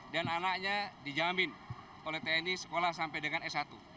dan anaknya dijamin oleh tni sekolah sampai dengan s satu